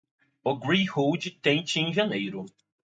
O Greyhound, tente em janeiro.